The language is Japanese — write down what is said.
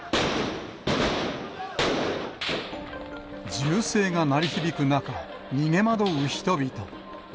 銃声が鳴り響く中、逃げ惑う人々。